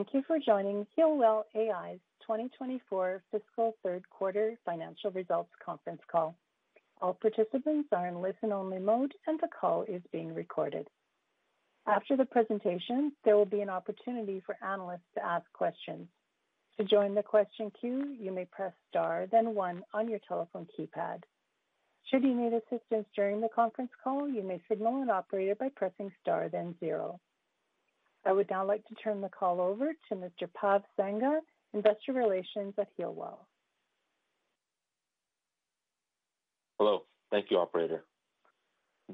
Thank you for joining Healwell AI's 2024 Fiscal Third Quarter Financial Results Conference Call. All participants are in listen-only mode, and the call is being recorded. After the presentation, there will be an opportunity for analysts to ask questions. To join the question queue, you may press star, then one on your telephone keypad. Should you need assistance during the conference call, you may signal an operator by pressing star, then zero. I would now like to turn the call over to Mr. Pav Sangha, Investor Relations at Healwell AI. Hello. Thank you, Operator.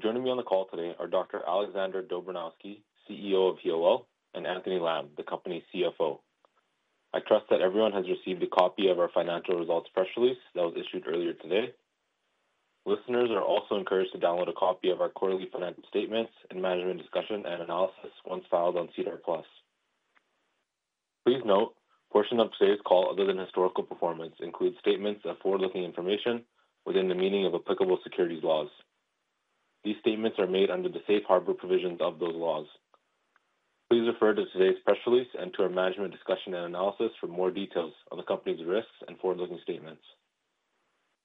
Joining me on the call today are Dr. Alexander Dobranowski, CEO of Healwell, and Anthony Lam, the company's CFO. I trust that everyone has received a copy of our financial results press release that was issued earlier today. Listeners are also encouraged to download a copy of our quarterly financial statements and management discussion and analysis once filed on SEDAR+. Please note, portion of today's call, other than historical performance, includes statements of forward-looking information within the meaning of applicable securities laws. These statements are made under the safe harbor provisions of those laws. Please refer to today's press release and to our management discussion and analysis for more details on the company's risks and forward-looking statements.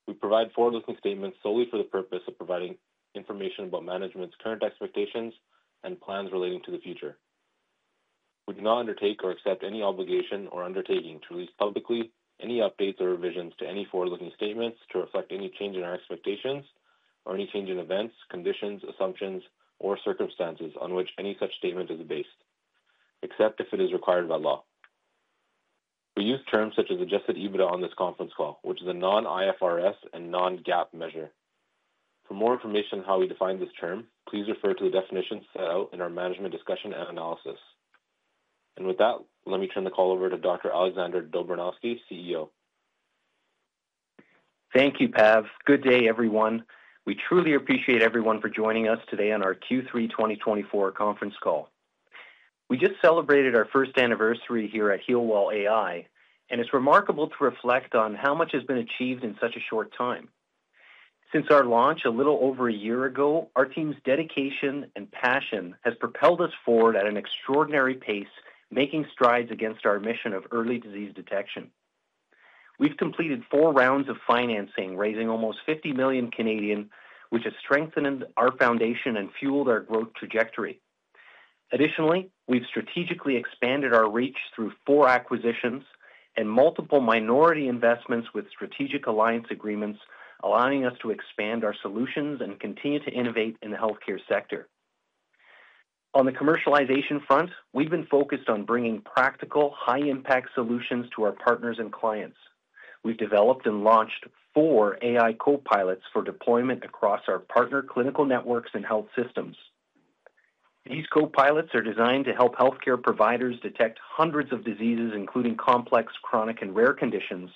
We provide forward-looking statements solely for the purpose of providing information about management's current expectations and plans relating to the future. We do not undertake or accept any obligation or undertaking to release publicly any updates or revisions to any forward-looking statements to reflect any change in our expectations or any change in events, conditions, assumptions, or circumstances on which any such statement is based, except if it is required by law. We use terms such as Adjusted EBITDA on this conference call, which is a non-IFRS and non-GAAP measure. For more information on how we define this term, please refer to the definitions set out in our management discussion and analysis, and with that, let me turn the call over to Dr. Alexander Dobranowski, CEO. Thank you, Pav. Good day, everyone. We truly appreciate everyone for joining us today on our Q3 2024 conference call. We just celebrated our first anniversary here at Healwell AI, and it's remarkable to reflect on how much has been achieved in such a short time. Since our launch a little over a year ago, our team's dedication and passion have propelled us forward at an extraordinary pace, making strides against our mission of early disease detection. We've completed four rounds of financing, raising almost 50 million, which has strengthened our foundation and fueled our growth trajectory. Additionally, we've strategically expanded our reach through four acquisitions and multiple minority investments with strategic alliance agreements, allowing us to expand our solutions and continue to innovate in the healthcare sector. On the commercialization front, we've been focused on bringing practical, high-impact solutions to our partners and clients. We've developed and launched four AI copilots for deployment across our partner clinical networks and health systems. These copilots are designed to help healthcare providers detect hundreds of diseases, including complex, chronic, and rare conditions,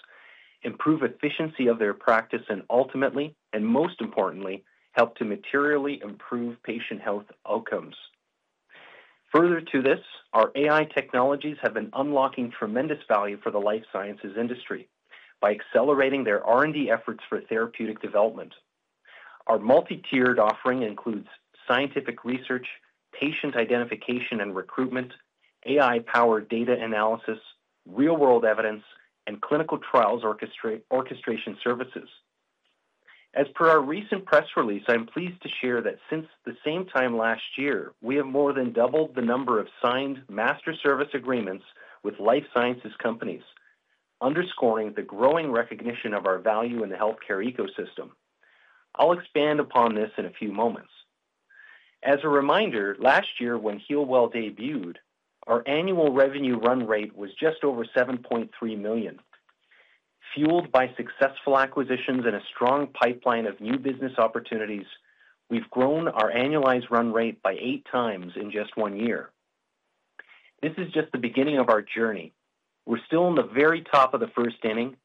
improve efficiency of their practice, and ultimately, and most importantly, help to materially improve patient health outcomes. Further to this, our AI technologies have been unlocking tremendous value for the life sciences industry by accelerating their R&D efforts for therapeutic development. Our multi-tiered offering includes scientific research, patient identification and recruitment, AI-powered data analysis, real-world evidence, and clinical trials orchestration services. As per our recent press release, I'm pleased to share that since the same time last year, we have more than doubled the number of signed master service agreements with life sciences companies, underscoring the growing recognition of our value in the healthcare ecosystem. I'll expand upon this in a few moments. As a reminder, last year when Healwell debuted, our annual revenue run rate was just over 7.3 million. Fueled by successful acquisitions and a strong pipeline of new business opportunities, we've grown our annualized run rate by eight times in just one year. This is just the beginning of our journey. We're still in the very top of the first inning.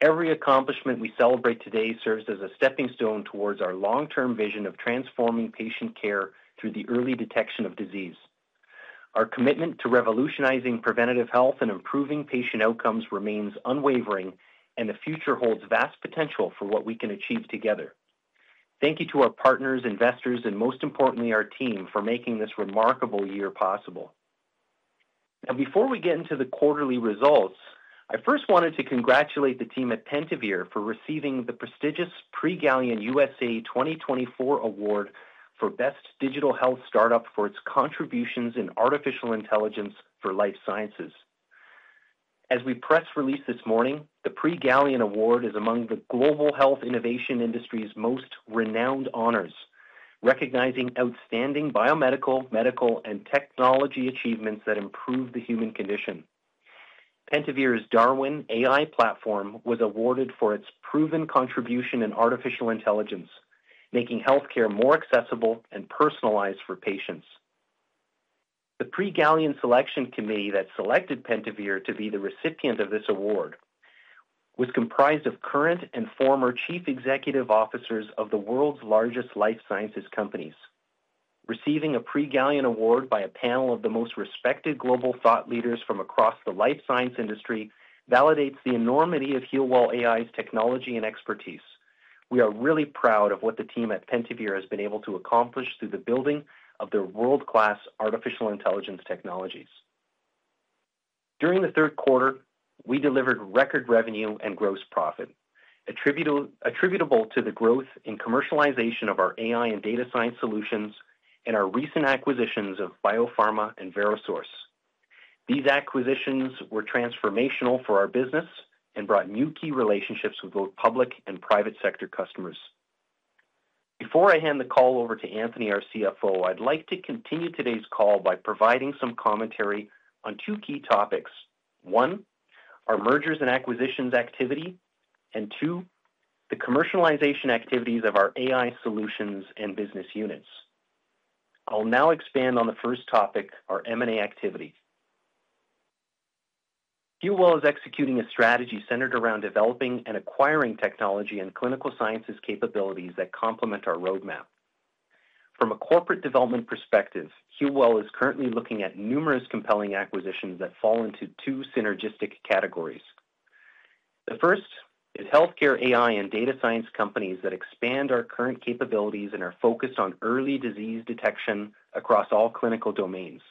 Every accomplishment we celebrate today serves as a stepping stone towards our long-term vision of transforming patient care through the early detection of disease. Our commitment to revolutionizing preventative health and improving patient outcomes remains unwavering, and the future holds vast potential for what we can achieve together. Thank you to our partners, investors, and most importantly, our team for making this remarkable year possible. Now, before we get into the quarterly results, I first wanted to congratulate the team at Pentavere for receiving the prestigious Prix Galien USA 2024 Award for Best Digital Health Startup for its contributions in artificial intelligence for life sciences. As per our press release this morning, the Prix Galien Award is among the global health innovation industry's most renowned honors, recognizing outstanding biomedical, medical, and technology achievements that improve the human condition. Pentavere's DARWEN AI platform was awarded for its proven contribution in artificial intelligence, making healthcare more accessible and personalized for patients. The Prix Galien Selection Committee that selected Pentavere to be the recipient of this award was comprised of current and former chief executive officers of the world's largest life sciences companies. Receiving a Prix Galien Award by a panel of the most respected global thought leaders from across the life science industry validates the enormity of Healwell AI's technology and expertise. We are really proud of what the team at Pentavere has been able to accomplish through the building of their world-class artificial intelligence technologies. During the third quarter, we delivered record revenue and gross profit, attributable to the growth in commercialization of our AI and data science solutions and our recent acquisitions of BioPharma and Verosource These acquisitions were transformational for our business and brought new key relationships with both public and private sector customers. Before I hand the call over to Anthony, our CFO, I'd like to continue today's call by providing some commentary on two key topics: one, our mergers and acquisitions activity, and two, the commercialization activities of our AI solutions and business units. I'll now expand on the first topic, our M&A activity. Healwell is executing a strategy centered around developing and acquiring technology and clinical sciences capabilities that complement our roadmap. From a corporate development perspective, Healwell is currently looking at numerous compelling acquisitions that fall into two synergistic categories. The first is healthcare AI and data science companies that expand our current capabilities and are focused on early disease detection across all clinical domains.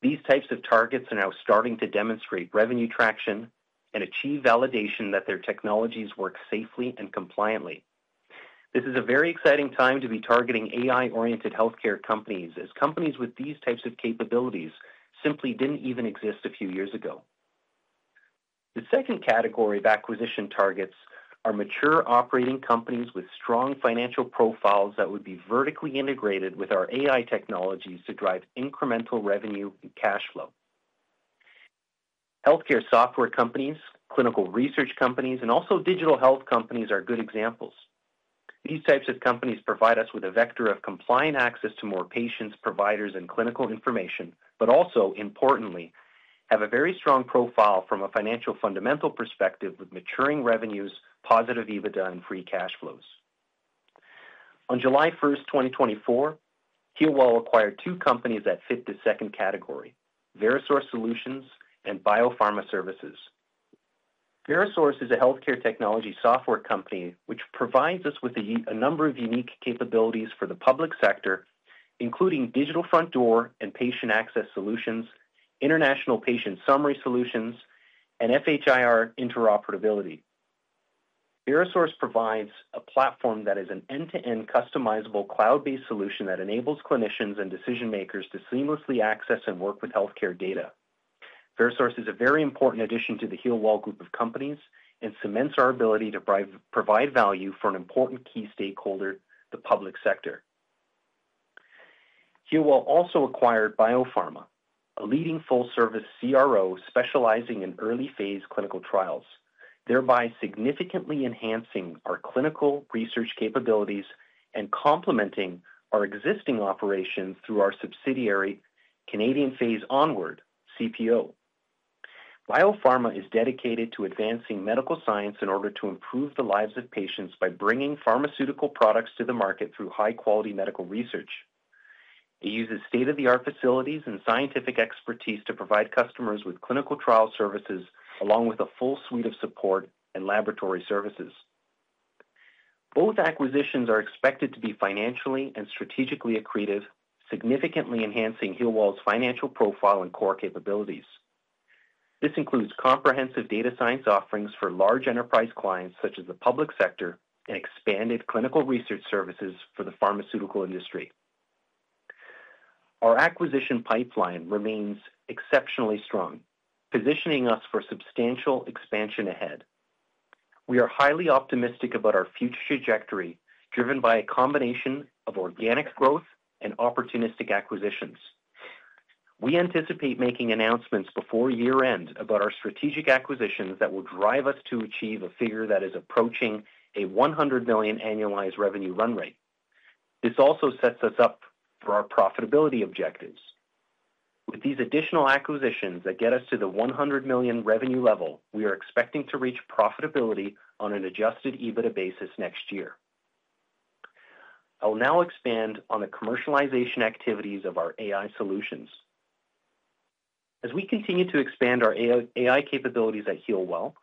These types of targets are now starting to demonstrate revenue traction and achieve validation that their technologies work safely and compliantly. This is a very exciting time to be targeting AI-oriented healthcare companies, as companies with these types of capabilities simply didn't even exist a few years ago. The second category of acquisition targets are mature operating companies with strong financial profiles that would be vertically integrated with our AI technologies to drive incremental revenue and cash flow. Healthcare software companies, clinical research companies, and also digital health companies are good examples. These types of companies provide us with a vector of compliant access to more patients, providers, and clinical information, but also, importantly, have a very strong profile from a financial fundamental perspective with maturing revenues, positive EBITDA, and free cash flows. On July 1, 2024, Healwell acquired two companies that fit the second category: Verosource Solutions and BioPharma Services. Verosource is a healthcare technology software company which provides us with a number of unique capabilities for the public sector, including digital front door and patient access solutions, international patient summary solutions, and FHIR interoperability. Verosource provides a platform that is an end-to-end customizable cloud-based solution that enables clinicians and decision-makers to seamlessly access and work with healthcare data. Verosource is a very important addition to the Healwell group of companies and cements our ability to provide value for an important key stakeholder, the public sector. Healwell also acquired BioPharma, a leading full-service CRO specializing in early-phase clinical trials, thereby significantly enhancing our clinical research capabilities and complementing our existing operations through our subsidiary, Canadian Phase Onward, CPO. BioPharma is dedicated to advancing medical science in order to improve the lives of patients by bringing pharmaceutical products to the market through high-quality medical research. It uses state-of-the-art facilities and scientific expertise to provide customers with clinical trial services along with a full suite of support and laboratory services. Both acquisitions are expected to be financially and strategically accretive, significantly enhancing Healwell's financial profile and core capabilities. This includes comprehensive data science offerings for large enterprise clients such as the public sector and expanded clinical research services for the pharmaceutical industry. Our acquisition pipeline remains exceptionally strong, positioning us for substantial expansion ahead. We are highly optimistic about our future trajectory, driven by a combination of organic growth and opportunistic acquisitions. We anticipate making announcements before year-end about our strategic acquisitions that will drive us to achieve a figure that is approaching a 100 million annualized revenue run rate. This also sets us up for our profitability objectives. With these additional acquisitions that get us to the 100 million revenue level, we are expecting to reach profitability on an Adjusted EBITDA basis next year. I'll now expand on the commercialization activities of our AI solutions. As we continue to expand our AI capabilities at Healwell,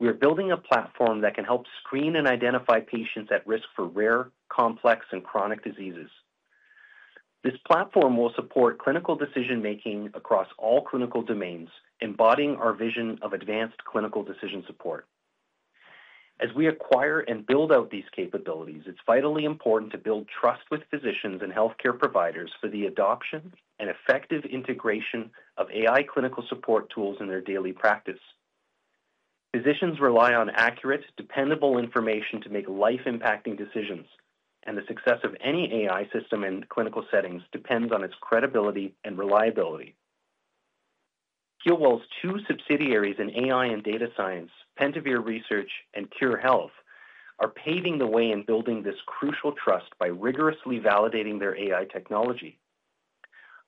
we are building a platform that can help screen and identify patients at risk for rare, complex, and chronic diseases. This platform will support clinical decision-making across all clinical domains, embodying our vision of advanced clinical decision support. As we acquire and build out these capabilities, it's vitally important to build trust with physicians and healthcare providers for the adoption and effective integration of AI clinical support tools in their daily practice. Physicians rely on accurate, dependable information to make life-impacting decisions, and the success of any AI system in clinical settings depends on its credibility and reliability. Healwell's two subsidiaries in AI and data science, Pentavere Research and Khure Health, are paving the way in building this crucial trust by rigorously validating their AI technology.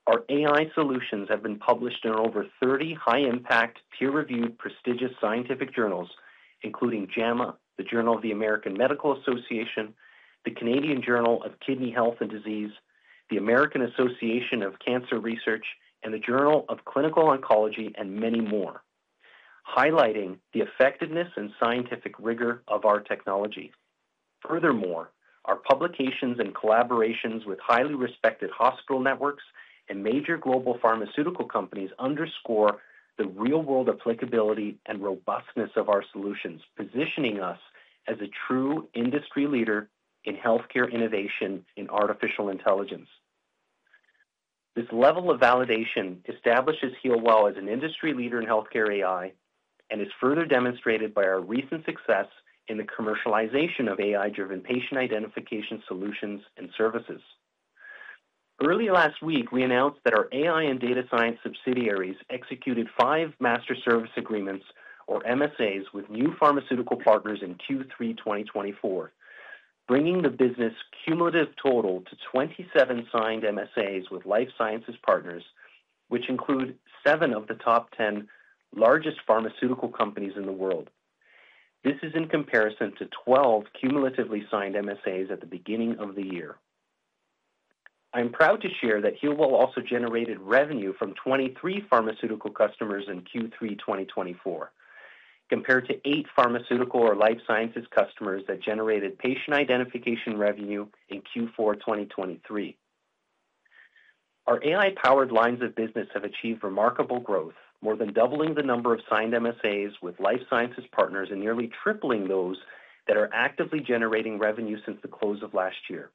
Our AI solutions have been published in over 30 high-impact, peer-reviewed, prestigious scientific journals, including JAMA, the Journal of the American Medical Association, the Canadian Journal of Kidney Health and Disease, the American Association of Cancer Research, and the Journal of Clinical Oncology, and many more, highlighting the effectiveness and scientific rigor of our technology. Furthermore, our publications and collaborations with highly respected hospital networks and major global pharmaceutical companies underscore the real-world applicability and robustness of our solutions, positioning us as a true industry leader in healthcare innovation in artificial intelligence. This level of validation establishes Healwell AI as an industry leader in healthcare AI and is further demonstrated by our recent success in the commercialization of AI-driven patient identification solutions and services. Early last week, we announced that our AI and data science subsidiaries executed five master service agreements, or MSAs, with new pharmaceutical partners in Q3 2024, bringing the business cumulative total to 27 signed MSAs with life sciences partners, which include seven of the top 10 largest pharmaceutical companies in the world. This is in comparison to 12 cumulatively signed MSAs at the beginning of the year. I'm proud to share that Healwell also generated revenue from 23 pharmaceutical customers in Q3 2024, compared to eight pharmaceutical or life sciences customers that generated patient identification revenue in Q4 2023. Our AI-powered lines of business have achieved remarkable growth, more than doubling the number of signed MSAs with life sciences partners and nearly tripling those that are actively generating revenue since the close of last year.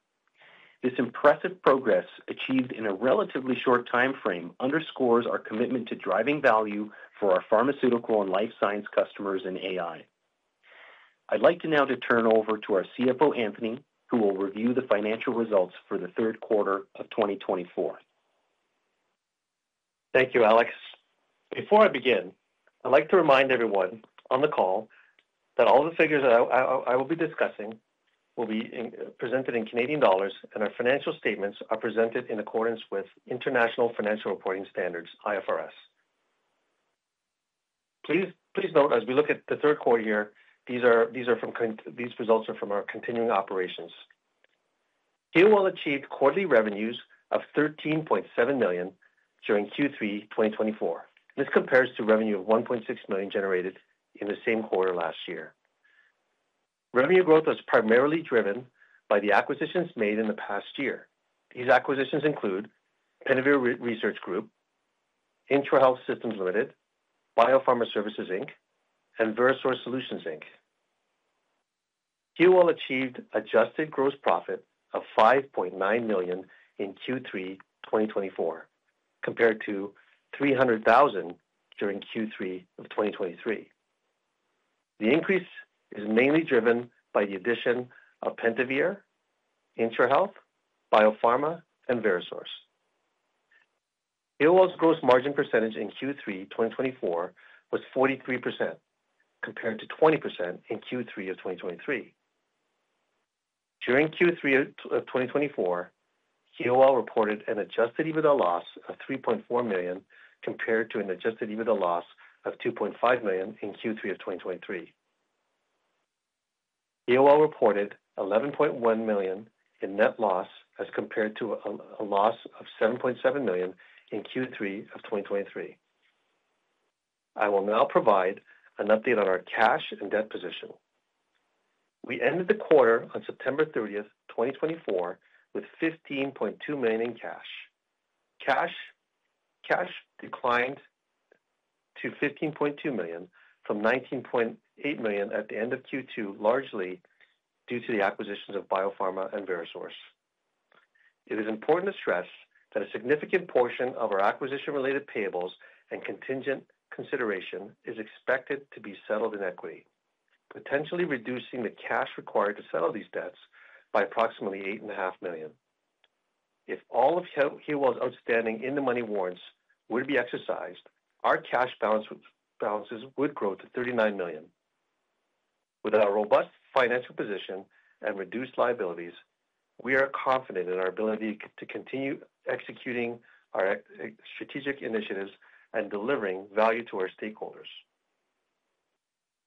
This impressive progress, achieved in a relatively short timeframe, underscores our commitment to driving value for our pharmaceutical and life science customers in AI. I'd like to now turn over to our CFO, Anthony, who will review the financial results for the third quarter of 2024. Thank you, Alex. Before I begin, I'd like to remind everyone on the call that all the figures that I will be discussing will be presented in Canadian dollars, and our financial statements are presented in accordance with International Financial Reporting Standards, IFRS. Please note, as we look at the third quarter here, these results are from our continuing operations. Healwell achieved quarterly revenues of CAD 13.7 million during Q3 2024. This compares to revenue of CAD 1.6 million generated in the same quarter last year. Revenue growth was primarily driven by the acquisitions made in the past year. These acquisitions include Pentavere Research Group, IntraHealth Systems Limited, BioPharma Services, Inc., and Verosource Solutions, Inc. Healwell achieved adjusted gross profit of 5.9 million in Q3 2024, compared to 300,000 during Q3 of 2023. The increase is mainly driven by the addition of Pentavere, IntraHealth, BioPharma, and Verosource. Healwell's gross margin percentage in Q3 2024 was 43%, compared to 20% in Q3 of 2023. During Q3 of 2024, Healwell reported an Adjusted EBITDA loss of CAD 3.4 million, compared to an Adjusted EBITDA loss of CAD 2.5 million in Q3 of 2023. Healwell reported 11.1 million in net loss as compared to a loss of 7.7 million in Q3 of 2023. I will now provide an update on our cash and debt position. We ended the quarter on September 30, 2024, with 15.2 million in cash. Cash declined to 15.2 million from 19.8 million at the end of Q2, largely due to the acquisitions of BioPharma and Verosource. It is important to stress that a significant portion of our acquisition-related payables and contingent consideration is expected to be settled in equity, potentially reducing the cash required to settle these debts by approximately 8.5 million. If all of Healwell's outstanding in-the-money warrants would be exercised, our cash balances would grow to 39 million. With our robust financial position and reduced liabilities, we are confident in our ability to continue executing our strategic initiatives and delivering value to our stakeholders.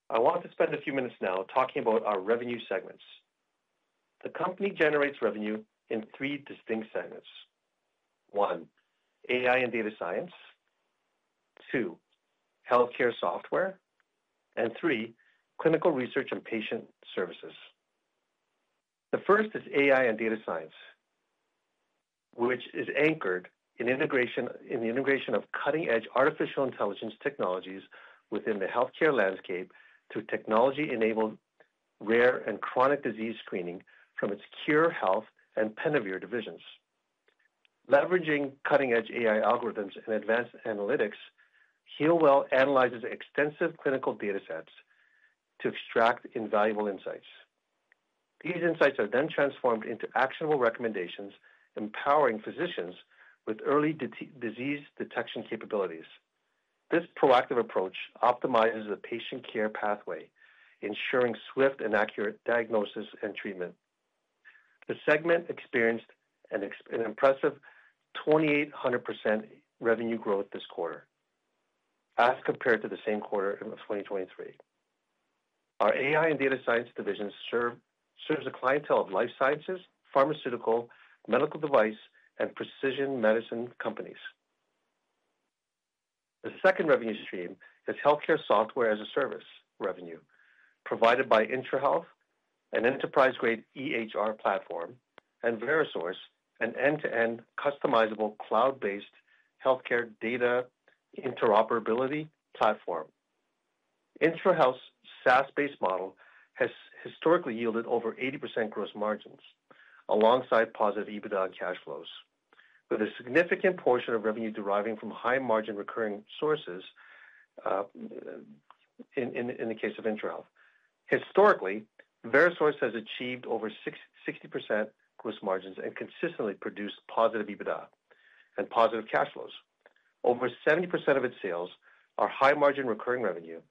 I want to spend a few minutes now talking about our revenue segments. The company generates revenue in three distinct segments: one, AI and data science, two, healthcare software, and three, clinical research and patient services. The first is AI and data science, which is anchored in the integration of cutting-edge artificial intelligence technologies within the healthcare landscape to technology-enabled rare and chronic disease screening from its Khure Health and Pentavere divisions. Leveraging cutting-edge AI algorithms and advanced analytics, Healwell analyzes extensive clinical data sets to extract invaluable insights. These insights are then transformed into actionable recommendations, empowering physicians with early disease detection capabilities. This proactive approach optimizes the patient care pathway, ensuring swift and accurate diagnosis and treatment. The segment experienced an impressive 2,800% revenue growth this quarter, as compared to the same quarter of 2023. Our AI and data science division serves a clientele of life sciences, pharmaceutical, medical device, and precision medicine companies. The second revenue stream is healthcare software as a service revenue, provided by IntraHealth, an enterprise-grade EHR platform, and Verosource, an end-to-end customizable cloud-based healthcare data interoperability platform. IntraHealth's SaaS-based model has historically yielded over 80% gross margins alongside positive EBITDA and cash flows, with a significant portion of revenue deriving from high-margin recurring sources in the case of IntraHealth. Historically, VeroSource has achieved over 60% gross margins and consistently produced positive EBITDA and positive cash flows. Over 70% of its sales are high-margin recurring revenue.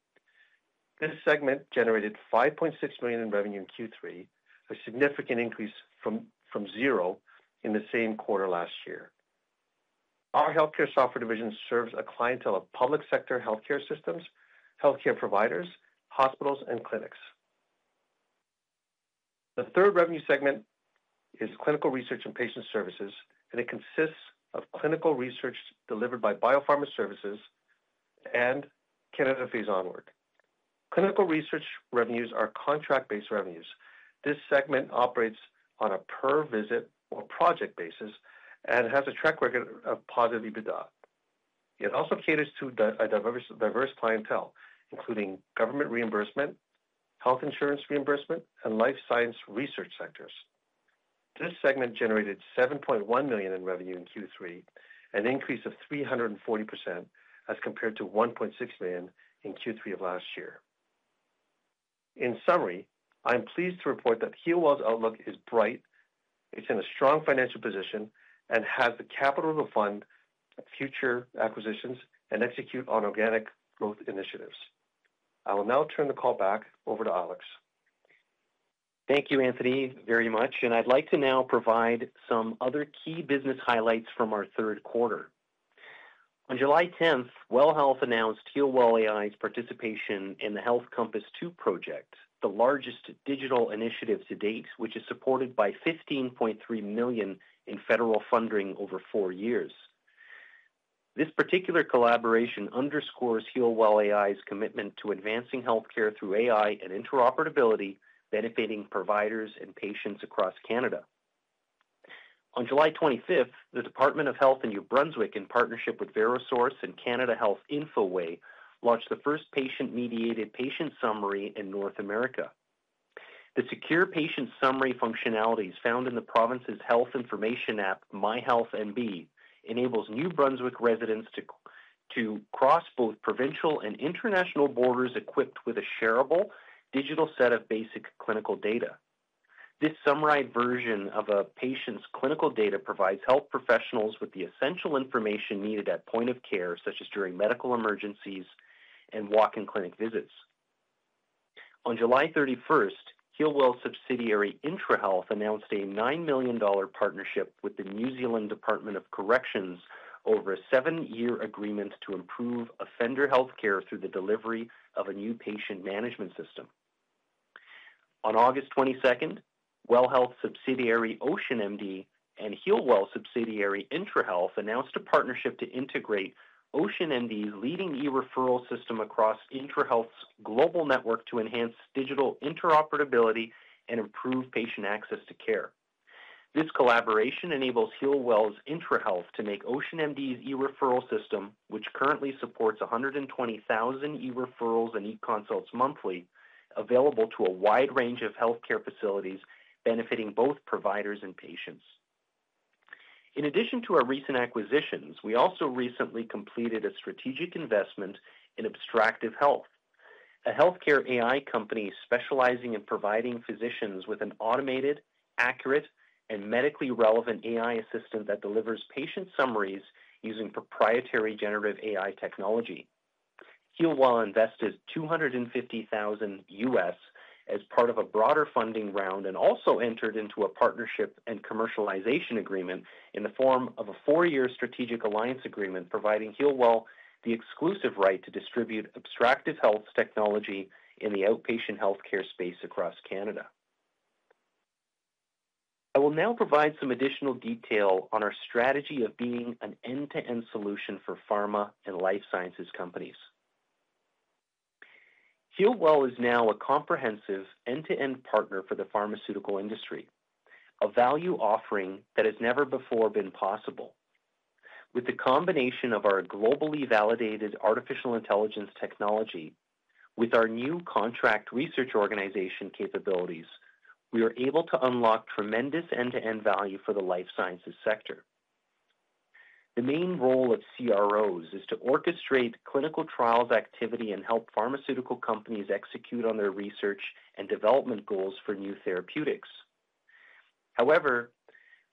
This segment generated 5.6 million in revenue in Q3, a significant increase from zero in the same quarter last year. Our healthcare software division serves a clientele of public sector healthcare systems, healthcare providers, hospitals, and clinics. The third revenue segment is clinical research and patient services, and it consists of clinical research delivered by BioPharma Services and Canadian Phase Onward. Clinical research revenues are contract-based revenues. This segment operates on a per-visit or project basis and has a track record of positive EBITDA. It also caters to a diverse clientele, including government reimbursement, health insurance reimbursement, and life science research centers. This segment generated 7.1 million in revenue in Q3, an increase of 340% as compared to 1.6 million in Q3 of last year. In summary, I'm pleased to report that Healwell's outlook is bright. It's in a strong financial position and has the capital to fund future acquisitions and execute on organic growth initiatives. I will now turn the call back over to Alex. Thank you, Anthony, very much. I'd like to now provide some other key business highlights from our third quarter. On July 10, WELL Health announced Healwell AI's participation in the Health Compass II project, the largest digital initiative to date, which is supported by 15.3 million in federal funding over four years. This particular collaboration underscores Healwell AI's commitment to advancing healthcare through AI and interoperability, benefiting providers and patients across Canada. On July 25th, the Department of Health in New Brunswick, in partnership with VeroSource and Canada Health Infoway, launched the first patient-mediated patient summary in North America. The secure patient summary functionalities, found in the province's health information app, MyHealthNB, enables New Brunswick residents to cross both provincial and international borders equipped with a shareable digital set of basic clinical data. This summarized version of a patient's clinical data provides health professionals with the essential information needed at point of care, such as during medical emergencies and walk-in clinic visits. On July 31, Healwell subsidiary IntraHealth announced a 9 million dollar partnership with the New Zealand Department of Corrections over a seven-year agreement to improve offender healthcare through the delivery of a new patient management system. On August 22, WELL Health Technologies subsidiary OceanMD and Healwell subsidiary IntraHealth announced a partnership to integrate OceanMD's leading e-referral system across IntraHealth's global network to enhance digital interoperability and improve patient access to care. This collaboration enables Healwell's IntraHealth to make OceanMD's e-referral system, which currently supports 120,000 e-referrals and e-consults monthly, available to a wide range of healthcare facilities, benefiting both providers and patients. In addition to our recent acquisitions, we also recently completed a strategic investment in Abstractive Health, a healthcare AI company specializing in providing physicians with an automated, accurate, and medically relevant AI assistant that delivers patient summaries using proprietary generative AI technology. Healwell invested $250,000 as part of a broader funding round and also entered into a partnership and commercialization agreement in the form of a four-year strategic alliance agreement, providing Healwell the exclusive right to distribute Abstractive Health technology in the outpatient healthcare space across Canada. I will now provide some additional detail on our strategy of being an end-to-end solution for pharma and life sciences companies. Healwell is now a comprehensive end-to-end partner for the pharmaceutical industry, a value offering that has never before been possible. With the combination of our globally validated artificial intelligence technology with our new contract research organization capabilities, we are able to unlock tremendous end-to-end value for the life sciences sector. The main role of CROs is to orchestrate clinical trials activity and help pharmaceutical companies execute on their research and development goals for new therapeutics. However,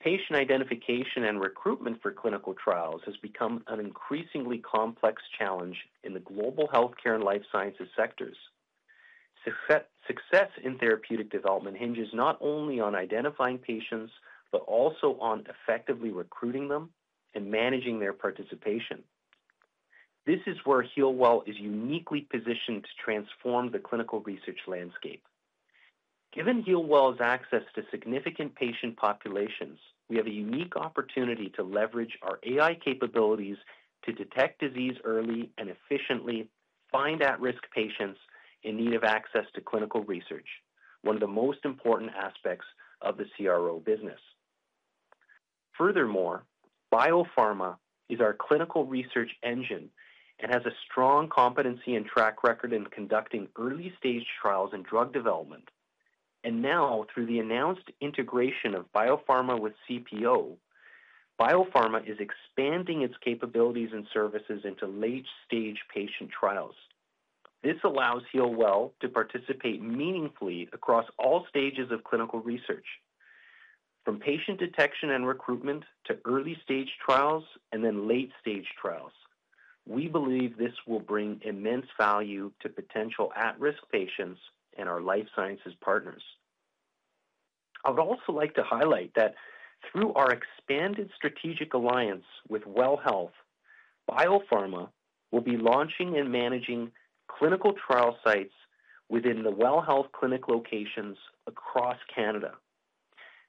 patient identification and recruitment for clinical trials has become an increasingly complex challenge in the global healthcare and life sciences sectors. Success in therapeutic development hinges not only on identifying patients, but also on effectively recruiting them and managing their participation. This is where Healwell is uniquely positioned to transform the clinical research landscape. Given Healwell's access to significant patient populations, we have a unique opportunity to leverage our AI capabilities to detect disease early and efficiently, find at-risk patients in need of access to clinical research, one of the most important aspects of the CRO business. Furthermore, BioPharma is our clinical research engine and has a strong competency and track record in conducting early-stage trials in drug development. And now, through the announced integration of BioPharma with CPO, BioPharma is expanding its capabilities and services into late-stage patient trials. This allows Healwell to participate meaningfully across all stages of clinical research, from patient detection and recruitment to early-stage trials and then late-stage trials. We believe this will bring immense value to potential at-risk patients and our life sciences partners. I would also like to highlight that through our expanded strategic alliance with WELL Health, BioPharma will be launching and managing clinical trial sites within the WELL Health clinic locations across Canada.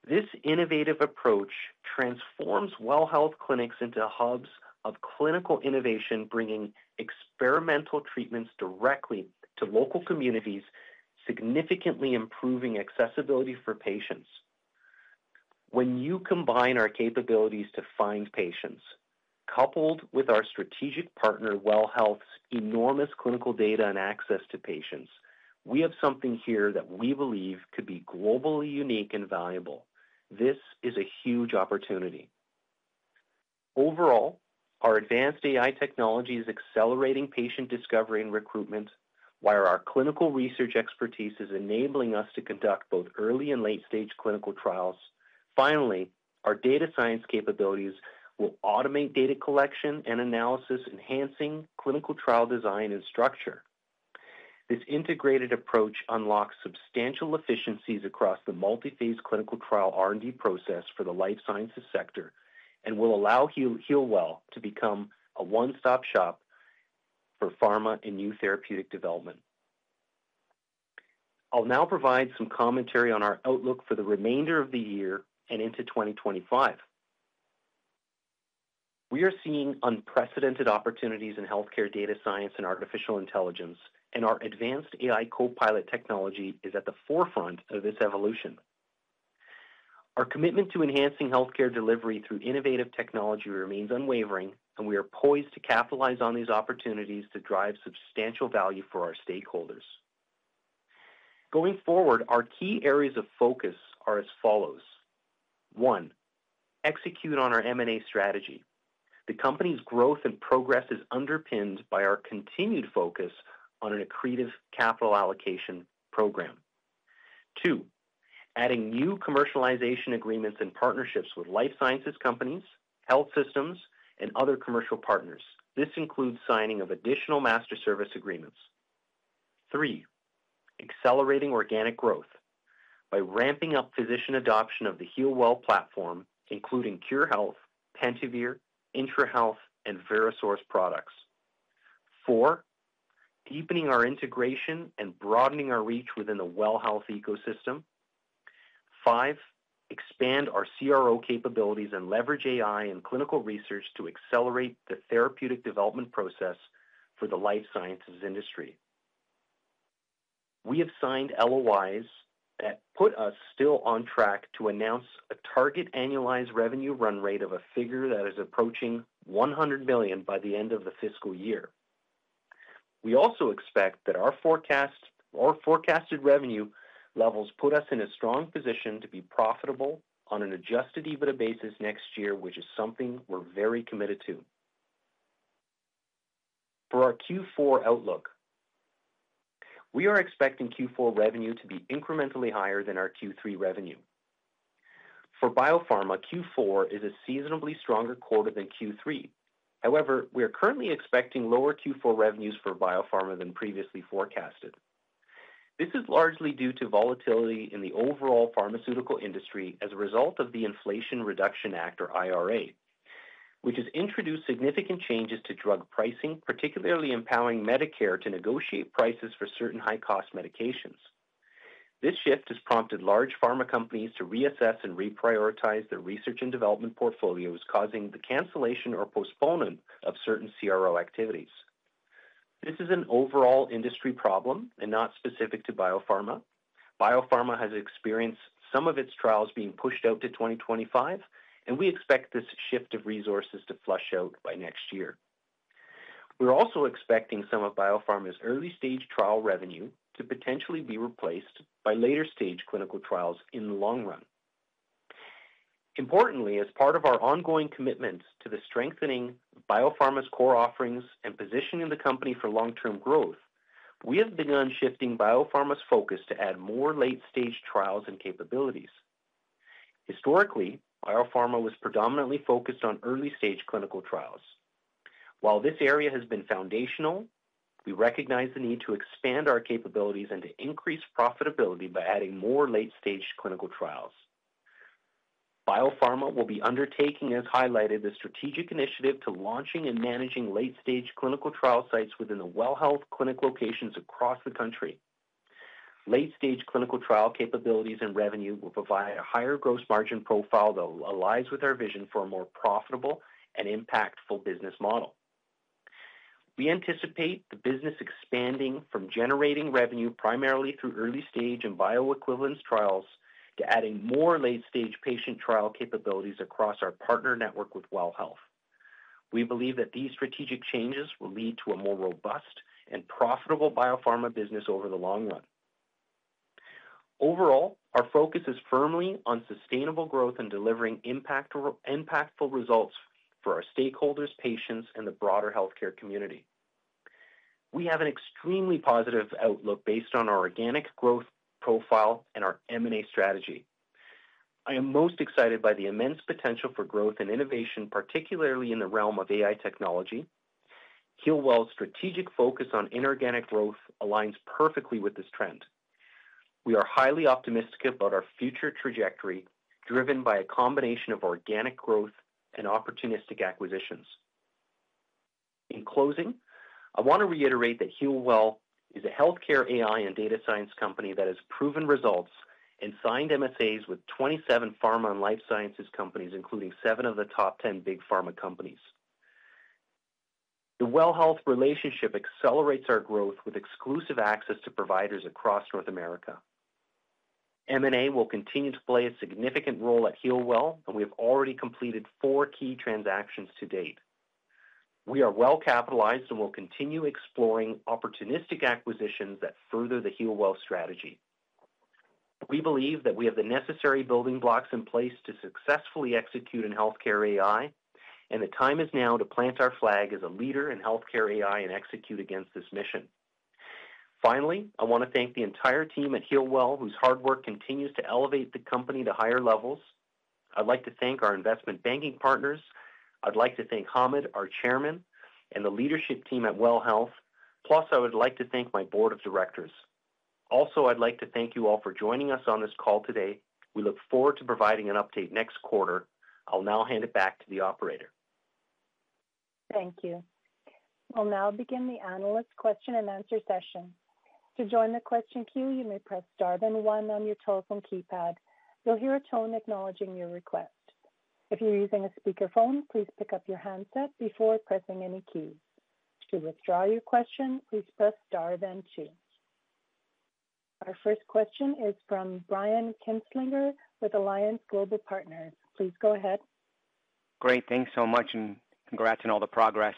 This innovative approach transforms WELL Health clinics into hubs of clinical innovation, bringing experimental treatments directly to local communities, significantly improving accessibility for patients. When you combine our capabilities to find patients, coupled with our strategic partner, WELL Health's enormous clinical data and access to patients, we have something here that we believe could be globally unique and valuable. This is a huge opportunity. Overall, our advanced AI technology is accelerating patient discovery and recruitment, while our clinical research expertise is enabling us to conduct both early and late-stage clinical trials. Finally, our data science capabilities will automate data collection and analysis, enhancing clinical trial design and structure. This integrated approach unlocks substantial efficiencies across the multi-phase clinical trial R&D process for the life sciences sector and will allow Healwell to become a one-stop shop for pharma and new therapeutic development. I'll now provide some commentary on our outlook for the remainder of the year and into 2025. We are seeing unprecedented opportunities in healthcare data science and artificial intelligence, and our advanced AI Copilot technology is at the forefront of this evolution. Our commitment to enhancing healthcare delivery through innovative technology remains unwavering, and we are poised to capitalize on these opportunities to drive substantial value for our stakeholders. Going forward, our key areas of focus are as follows: one, execute on our M&A strategy. The company's growth and progress is underpinned by our continued focus on an accretive capital allocation program. Two, adding new commercialization agreements and partnerships with life sciences companies, health systems, and other commercial partners. This includes signing of additional master service agreements. Three, accelerating organic growth by ramping up physician adoption of the Healwell platform, including Khure Health, Pentavere, IntraHealth, and Verisource products. Four, deepening our integration and broadening our reach within the WELL Health ecosystem. Five, expand our CRO capabilities and leverage AI and clinical research to accelerate the therapeutic development process for the life sciences industry. We have signed LOIs that put us still on track to announce a target annualized revenue run rate of a figure that is approaching 100 million by the end of the fiscal year. We also expect that our forecasted revenue levels put us in a strong position to be profitable on an Adjusted EBITDA basis next year, which is something we're very committed to. For our Q4 outlook, we are expecting Q4 revenue to be incrementally higher than our Q3 revenue. For BioPharma, Q4 is a seasonally stronger quarter than Q3. However, we are currently expecting lower Q4 revenues for BioPharma than previously forecasted. This is largely due to volatility in the overall pharmaceutical industry as a result of the Inflation Reduction Act, or IRA, which has introduced significant changes to drug pricing, particularly empowering Medicare to negotiate prices for certain high-cost medications. This shift has prompted large pharma companies to reassess and reprioritize their research and development portfolios, causing the cancellation or postponement of certain CRO activities. This is an overall industry problem and not specific to BioPharma. BioPharma has experienced some of its trials being pushed out to 2025, and we expect this shift of resources to flush out by next year. We're also expecting some of BioPharma's early-stage trial revenue to potentially be replaced by later-stage clinical trials in the long run. Importantly, as part of our ongoing commitments to strengthening BioPharma's core offerings and positioning the company for long-term growth, we have begun shifting BioPharma's focus to add more late-stage trials and capabilities. Historically, BioPharma was predominantly focused on early-stage clinical trials. While this area has been foundational, we recognize the need to expand our capabilities and to increase profitability by adding more late-stage clinical trials. BioPharma will be undertaking, as highlighted, the strategic initiative to launching and managing late-stage clinical trial sites within the WELL Health clinic locations across the country. Late-stage clinical trial capabilities and revenue will provide a higher gross margin profile that aligns with our vision for a more profitable and impactful business model. We anticipate the business expanding from generating revenue primarily through early-stage and bioequivalence trials to adding more late-stage patient trial capabilities across our partner network with WELL Health. We believe that these strategic changes will lead to a more robust and profitable BioPharma business over the long run. Overall, our focus is firmly on sustainable growth and delivering impactful results for our stakeholders, patients, and the broader healthcare community. We have an extremely positive outlook based on our organic growth profile and our M&A strategy. I am most excited by the immense potential for growth and innovation, particularly in the realm of AI technology. Healwell's strategic focus on inorganic growth aligns perfectly with this trend. We are highly optimistic about our future trajectory, driven by a combination of organic growth and opportunistic acquisitions. In closing, I want to reiterate that Healwell is a healthcare AI and data science company that has proven results and signed MSAs with 27 pharma and life sciences companies, including seven of the top 10 big pharma companies. The WELL Health relationship accelerates our growth with exclusive access to providers across North America. M&A will continue to play a significant role at Healwell, and we have already completed four key transactions to date. We are well-capitalized and will continue exploring opportunistic acquisitions that further the Healwell strategy. We believe that we have the necessary building blocks in place to successfully execute in healthcare AI, and the time is now to plant our flag as a leader in healthcare AI and execute against this mission. Finally, I want to thank the entire team at Healwell, whose hard work continues to elevate the company to higher levels. I'd like to thank our investment banking partners. I'd like to thank Hamed, our chairman, and the leadership team at WELL Health Technologies. Plus, I would like to thank my board of directors. Also, I'd like to thank you all for joining us on this call today. We look forward to providing an update next quarter. I'll now hand it back to the operator. Thank you. We'll now begin the analyst question and answer session. To join the question queue, you may press star then one on your telephone keypad. You'll hear a tone acknowledging your request. If you're using a speakerphone, please pick up your handset before pressing any keys. To withdraw your question, please press star then two. Our first question is from Brian Kinstlinger with Alliance Global Partners. Please go ahead. Great. Thanks so much and congrats on all the progress.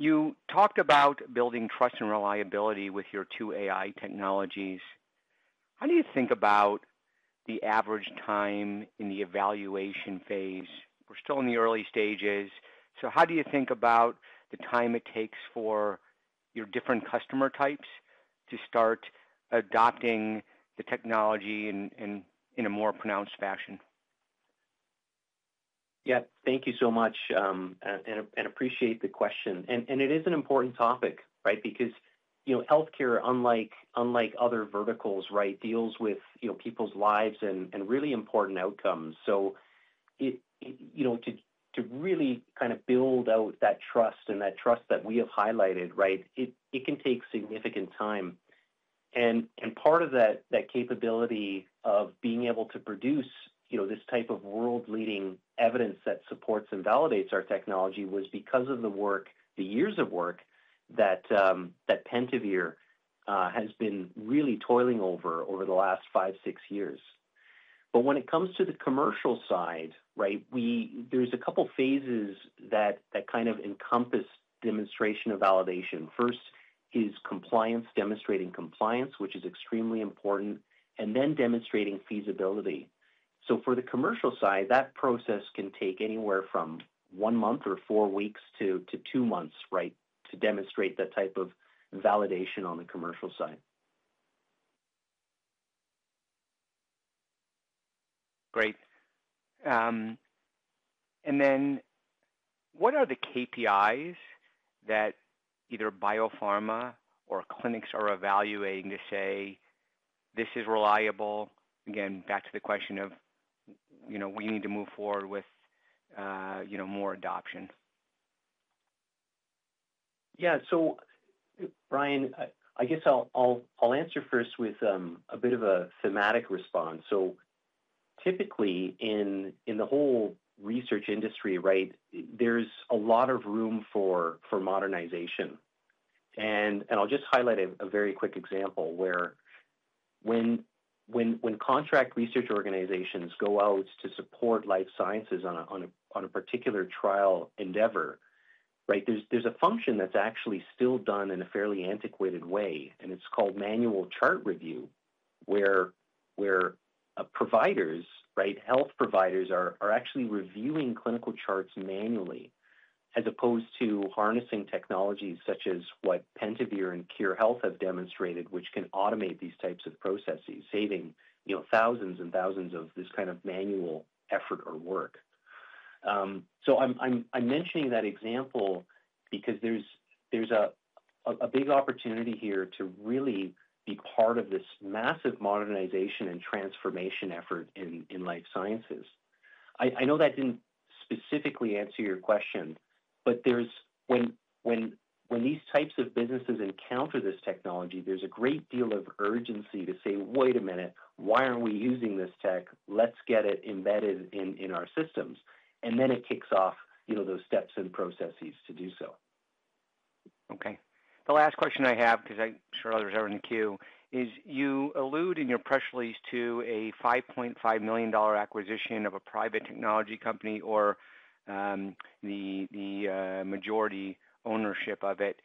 You talked about building trust and reliability with your two AI technologies. How do you think about the average time in the evaluation phase? We're still in the early stages. So how do you think about the time it takes for your different customer types to start adopting the technology in a more pronounced fashion? Yeah. Thank you so much and appreciate the question. It is an important topic, right? Because healthcare, unlike other verticals, right, deals with people's lives and really important outcomes. So to really kind of build out that trust and that trust that we have highlighted, right, it can take significant time. Part of that capability of being able to produce this type of world-leading evidence that supports and validates our technology was because of the work, the years of work that Pentavere has been really toiling over the last five, six years. But when it comes to the commercial side, right, there's a couple of phases that kind of encompass demonstration of validation. First is compliance, demonstrating compliance, which is extremely important, and then demonstrating feasibility. So for the commercial side, that process can take anywhere from one month or four weeks to two months, right, to demonstrate that type of validation on the commercial side. Great. And then what are the KPIs that either BioPharma or clinics are evaluating to say, "This is reliable"? Again, back to the question of we need to move forward with more adoption. Yeah. So, Brian, I guess I'll answer first with a bit of a thematic response. So typically, in the whole research industry, right, there's a lot of room for modernization. I'll just highlight a very quick example where when contract research organizations go out to support life sciences on a particular trial endeavor, right, there's a function that's actually still done in a fairly antiquated way, and it's called manual chart review, where providers, right, health providers are actually reviewing clinical charts manually as opposed to harnessing technologies such as what Pentavere and Khure Health have demonstrated, which can automate these types of processes, saving thousands and thousands of this kind of manual effort or work. I'm mentioning that example because there's a big opportunity here to really be part of this massive modernization and transformation effort in life sciences. I know that didn't specifically answer your question, but when these types of businesses encounter this technology, there's a great deal of urgency to say, "Wait a minute, why aren't we using this tech? Let's get it embedded in our systems." And then it kicks off those steps and processes to do so. Okay. The last question I have, because I'm sure others are in the queue, is you allude in your press release to a 5.5 million dollar acquisition of a private technology company or the majority ownership of it.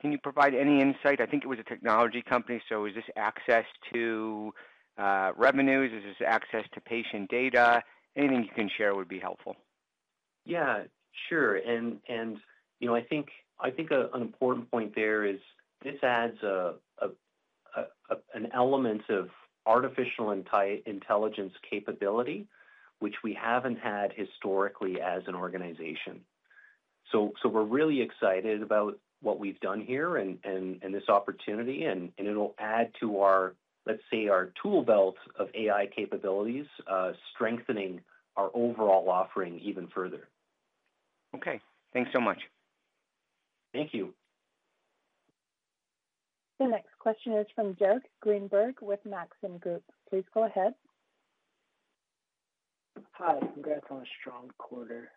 Can you provide any insight? I think it was a technology company. So is this access to revenues? Is this access to patient data? Anything you can share would be helpful. Yeah. Sure. And I think an important point there is this adds an element of artificial intelligence capability, which we haven't had historically as an organization. So we're really excited about what we've done here and this opportunity, and it'll add to, let's say, our tool belt of AI capabilities, strengthening our overall offering even further. Okay. Thanks so much. Thank you. The next question is from Derek Greenberg with Maxim Group. Please go ahead. Hi. Congrats on a strong quarter.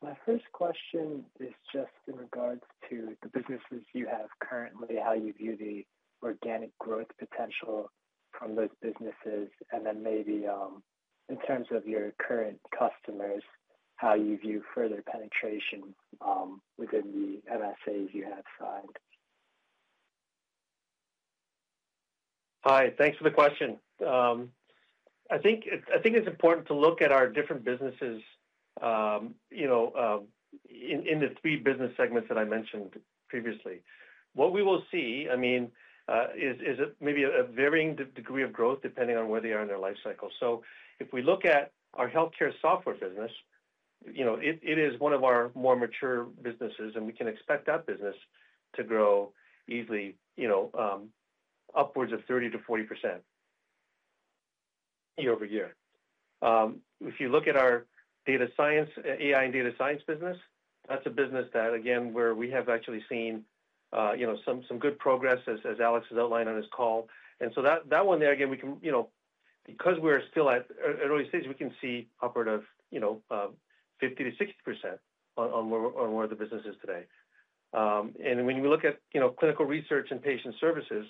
My first question is just in regards to the businesses you have currently, how you view the organic growth potential from those businesses, and then maybe in terms of your current customers, how you view further penetration within the MSAs you have signed. Hi. Thanks for the question. I think it's important to look at our different businesses in the three business segments that I mentioned previously. What we will see, I mean, is maybe a varying degree of growth depending on where they are in their life cycle. So if we look at our healthcare software business, it is one of our more mature businesses, and we can expect that business to grow easily upwards of 30%-40% year-over-year. If you look at our AI and data science business, that's a business that, again, where we have actually seen some good progress, as Alex has outlined on his call. And so that one there, again, because we're still at early stages, we can see upward of 50%-60% on where the business is today. And when we look at clinical research and patient services,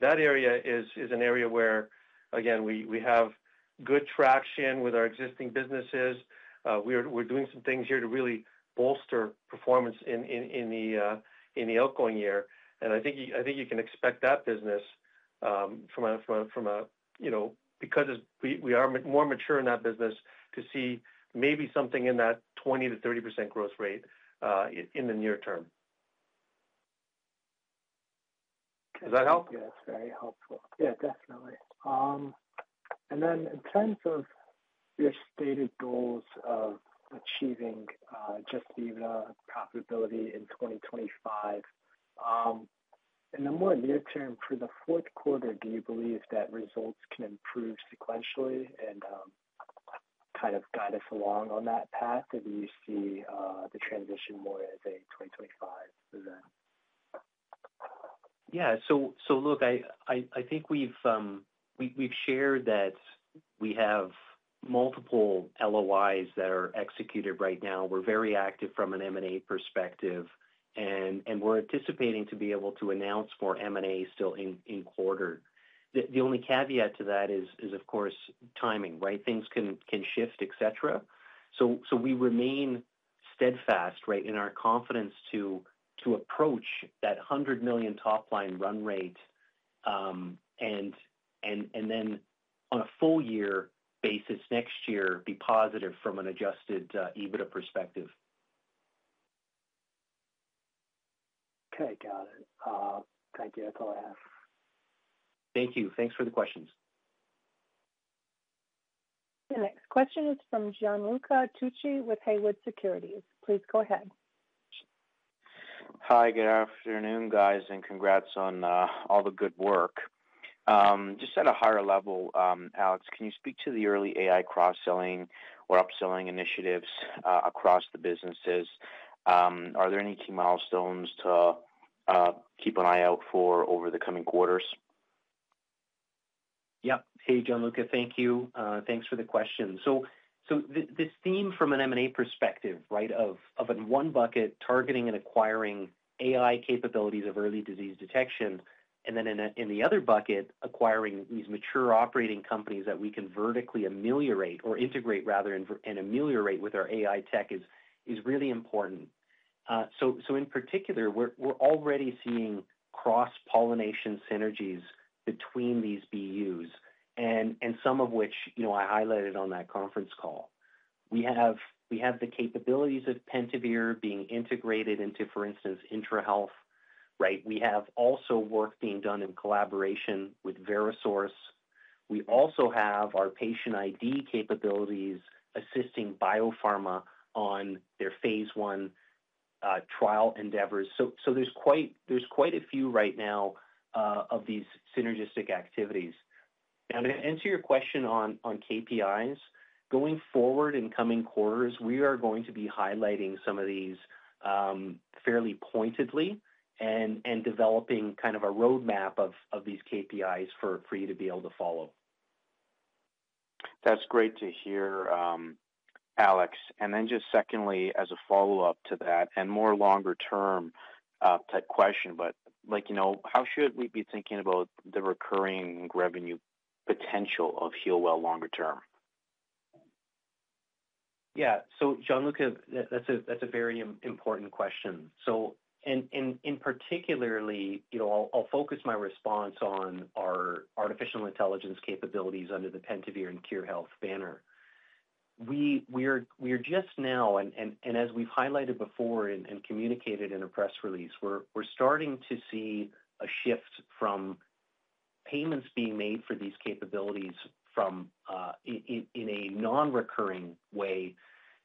that area is an area where, again, we have good traction with our existing businesses. We're doing some things here to really bolster performance in the outgoing year. And I think you can expect that business from a because we are more mature in that business to see maybe something in that 20%-30% growth rate in the near term. Does that help? Yeah. That's very helpful. Yeah. Definitely. And then in terms of your stated goals of achieving just profitability in 2025, in the more near term, for the fourth quarter, do you believe that results can improve sequentially and kind of guide us along on that path, or do you see the transition more as a 2025 event? Yeah. So look, I think we've shared that we have multiple LOIs that are executed right now. We're very active from an M&A perspective, and we're anticipating to be able to announce more M&As still in quarter. The only caveat to that is, of course, timing, right? Things can shift, etc. So we remain steadfast, right, in our confidence to approach that 100 million top-line run rate and then on a full-year basis next year be positive from an Adjusted EBITDA perspective. Okay. Got it. Thank you. That's all I have. Thank you. Thanks for the questions. The next question is from Gianluca Tucci with Haywood Securities. Please go ahead. Hi. Good afternoon, guys, and congrats on all the good work. Just at a higher level, Alex, can you speak to the early AI cross-selling or upselling initiatives across the businesses? Are there any key milestones to keep an eye out for over the coming quarters? Yep. Hey, Gianluca. Thank you. Thanks for the question. So this theme from an M&A perspective, right, of one bucket targeting and acquiring AI capabilities of early disease detection, and then in the other bucket, acquiring these mature operating companies that we can vertically ameliorate or integrate, rather, and ameliorate with our AI tech is really important. So in particular, we're already seeing cross-pollination synergies between these BUs, and some of which I highlighted on that conference call. We have the capabilities of Pentavere being integrated into, for instance, IntraHealth, right? We have also work being done in collaboration with VeroSource. We also have our patient ID capabilities assisting BioPharma on their phase one trial endeavors. So there's quite a few right now of these synergistic activities. Now, to answer your question on KPIs, going forward in coming quarters, we are going to be highlighting some of these fairly pointedly and developing kind of a roadmap of these KPIs for you to be able to follow. That's great to hear, Alex. Then just secondly, as a follow-up to that and more longer-term type question, but how should we be thinking about the recurring revenue potential of Healwell longer term? Yeah. So Gianluca, that's a very important question. So in particular, I'll focus my response on our artificial intelligence capabilities under the Pentavere and Khure Health banner. We are just now, and as we've highlighted before and communicated in a press release, we're starting to see a shift from payments being made for these capabilities in a non-recurring way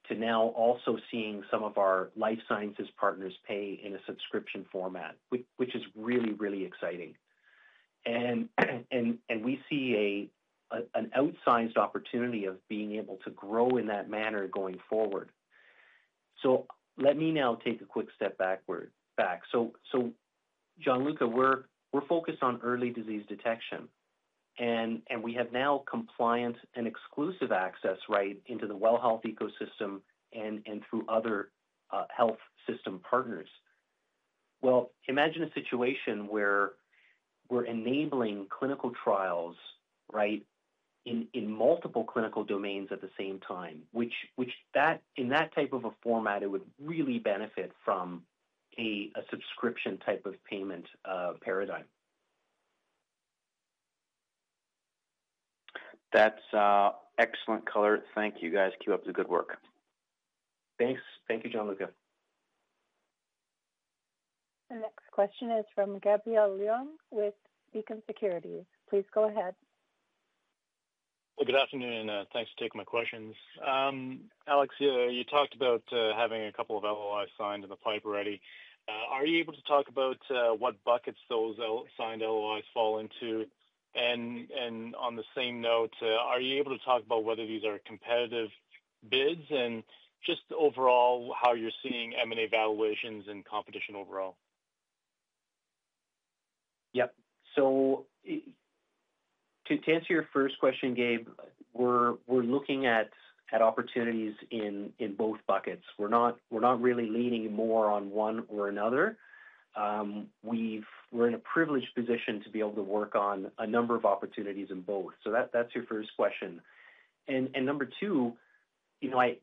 to now also seeing some of our life sciences partners pay in a subscription format, which is really, really exciting, and we see an outsized opportunity of being able to grow in that manner going forward, so let me now take a quick step back, so Gianluca, we're focused on early disease detection, and we have now compliance and exclusive access, right, into the WELL Health ecosystem and through other health system partners, well, imagine a situation where we're enabling clinical trials, right, in multiple clinical domains at the same time, which in that type of a format, it would really benefit from a subscription type of payment paradigm. That's excellent color. Thank you, guys. Keep up the good work. Thanks. Thank you, Gianluca. The next question is from Gabriel Leung with Beacon Securities. Please go ahead. Well, good afternoon, and thanks for taking my questions. Alex, you talked about having a couple of LOIs signed in the pipe, right? Are you able to talk about what buckets those signed LOIs fall into? And on the same note, are you able to talk about whether these are competitive bids and just overall how you're seeing M&A valuations and competition overall? Yep. So to answer your first question, Gabe, we're looking at opportunities in both buckets. We're not really leaning more on one or another. We're in a privileged position to be able to work on a number of opportunities in both. So that's your first question. And number two, I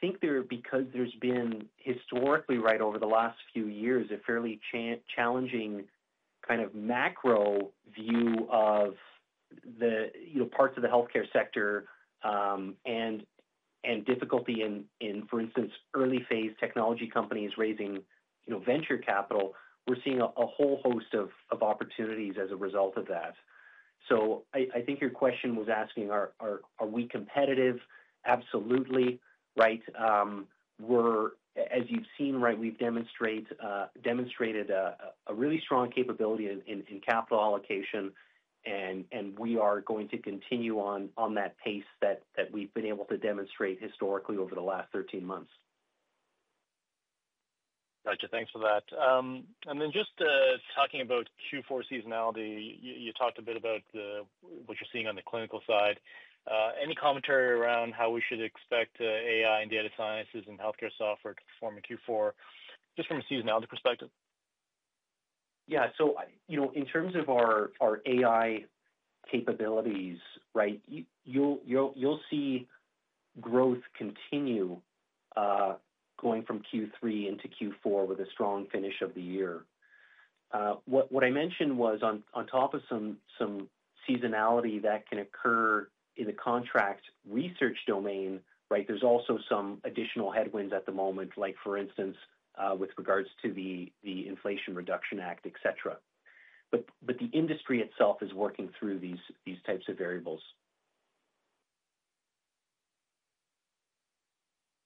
think because there's been historically, right, over the last few years, a fairly challenging kind of macro view of parts of the healthcare sector and difficulty in, for instance, early-phase technology companies raising venture capital, we're seeing a whole host of opportunities as a result of that. So I think your question was asking, are we competitive? Absolutely, right? As you've seen, right, we've demonstrated a really strong capability in capital allocation, and we are going to continue on that pace that we've been able to demonstrate historically over the last 13 months. Gotcha. Thanks for that. And then just talking about Q4 seasonality, you talked a bit about what you're seeing on the clinical side. Any commentary around how we should expect AI and data sciences and healthcare software to perform in Q4 just from a seasonality perspective? Yeah. So in terms of our AI capabilities, right, you'll see growth continue going from Q3 into Q4 with a strong finish of the year. What I mentioned was on top of some seasonality that can occur in the contract research domain, right. There's also some additional headwinds at the moment, like for instance, with regards to the Inflation Reduction Act, etc. But the industry itself is working through these types of variables.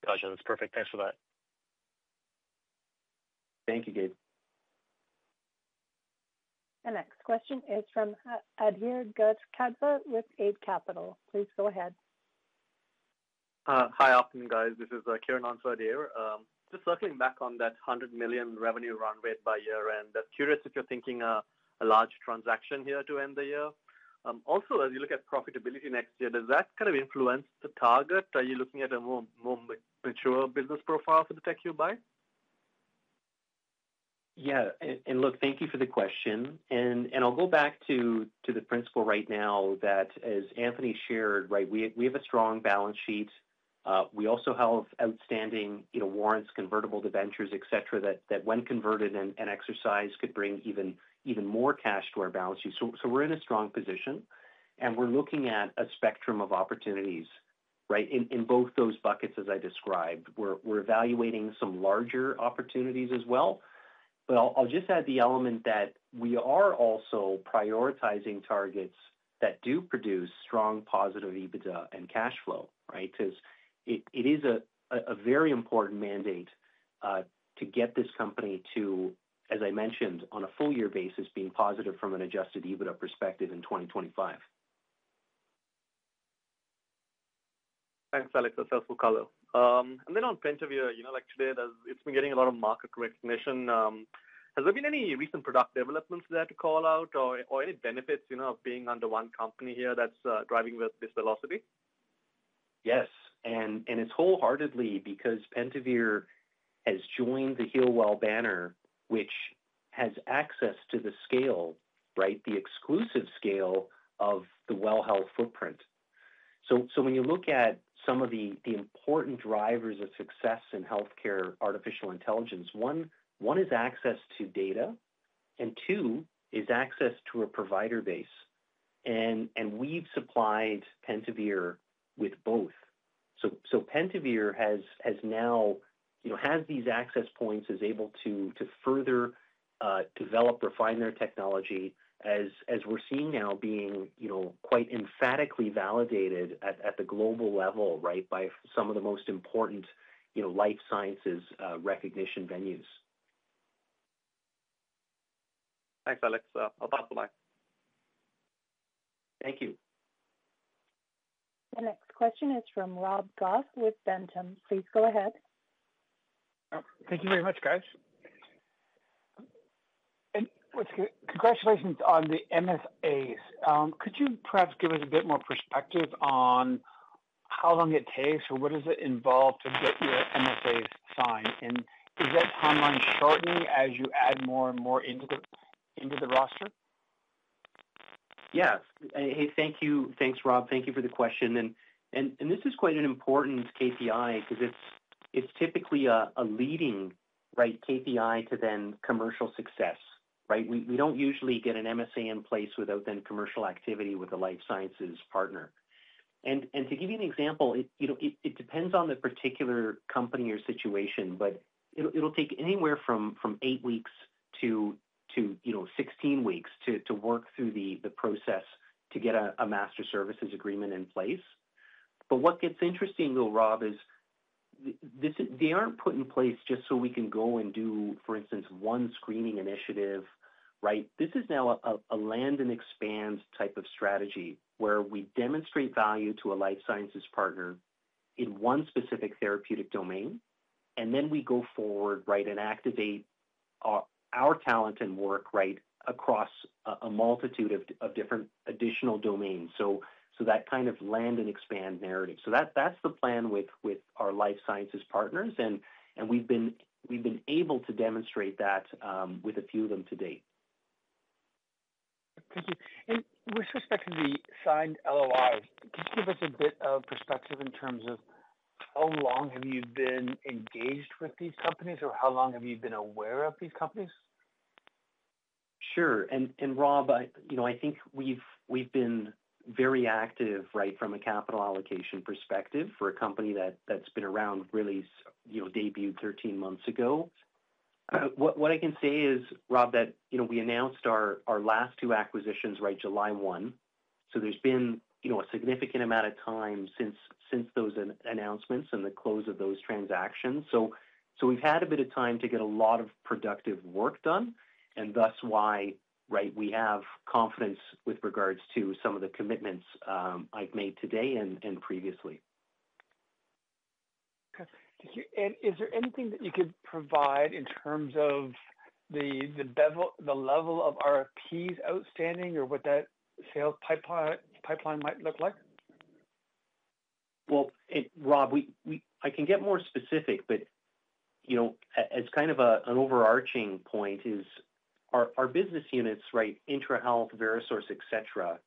Gotcha. That's perfect. Thanks for that. Thank you, Gabriel. The next question is from Adhir Kadve with Eight Capital. Please go ahead. Hi, afternoon, guys. This is Karan Anwar. Just circling back on that 100 million revenue run rate by year, and curious if you're thinking a large transaction here to end the year. Also, as you look at profitability next year, does that kind of influence the target? Are you looking at a more mature business profile for the tech you buy? Yeah. And look, thank you for the question. And I'll go back to the premise right now that, as Anthony shared, right, we have a strong balance sheet. We also have outstanding warrants, convertible debentures, etc., that when converted and exercised could bring even more cash to our balance sheet. So we're in a strong position, and we're looking at a spectrum of opportunities, right, in both those buckets as I described. We're evaluating some larger opportunities as well. But I'll just add the element that we are also prioritizing targets that do produce strong positive EBITDA and cash flow, right, because it is a very important mandate to get this company to, as I mentioned, on a full-year basis, being positive from an Adjusted EBITDA perspective in 2025. Thanks, Alex. That's helpful color. And then on Pentavere, like today, it's been getting a lot of market recognition. Has there been any recent product developments there to call out or any benefits of being under one company here that's driving this velocity? Yes. And it's wholeheartedly because Pentavere has joined the Healwell banner, which has access to the scale, right, the exclusive scale of the WELL Health footprint. So when you look at some of the important drivers of success in healthcare artificial intelligence, one is access to data, and two is access to a provider base. And we've supplied Pentavere with both. So Pentavere has now these access points, is able to further develop, refine their technology as we're seeing now being quite emphatically validated at the global level, right, by some of the most important life sciences recognition venues. Thanks, Alex. I'll pass the mic. Thank you. The next question is from Rob Goff with Ventum. Please go ahead. Thank you very much, guys. And congratulations on the MSAs. Could you perhaps give us a bit more perspective on how long it takes or what does it involve to get your MSAs signed? And is that timeline shortening as you add more and more into the roster? Yes. Hey, thank you. Thanks, Rob. Thank you for the question. This is quite an important KPI because it's typically a leading, right, KPI to then commercial success, right? We don't usually get an MFA in place without then commercial activity with a life sciences partner. To give you an example, it depends on the particular company or situation, but it'll take anywhere from eight weeks to 16 weeks to work through the process to get a master services agreement in place. But what gets interesting, though, Rob, is they aren't put in place just so we can go and do, for instance, one screening initiative, right? This is now a land-and-expand type of strategy where we demonstrate value to a life sciences partner in one specific therapeutic domain, and then we go forward, right, and activate our talent and work, right, across a multitude of different additional domains. So that kind of land-and-expand narrative. So that's the plan with our life sciences partners, and we've been able to demonstrate that with a few of them to date. Thank you. And with respect to the signed LOIs, could you give us a bit of perspective in terms of how long have you been engaged with these companies or how long have you been aware of these companies? Sure. And Rob, I think we've been very active, right, from a capital allocation perspective for a company that's been around, really, debuted 13 months ago. What I can say is, Rob, that we announced our last two acquisitions, right, July 1. So there's been a significant amount of time since those announcements and the close of those transactions. So we've had a bit of time to get a lot of productive work done, and thus why, right, we have confidence with regards to some of the commitments I've made today and previously. Okay. And is there anything that you could provide in terms of the level of RFPs outstanding or what that sales pipeline might look like? Well, Rob, I can get more specific, but as kind of an overarching point is our business units, right, IntraHealth, VeroSource, etc.,